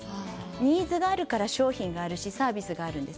ニーズがあるから商品やサービスがあるんです。